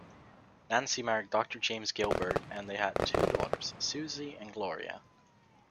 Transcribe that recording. Nancy married Doctor James Gilbert and they had two daughters, Susie and Gloria.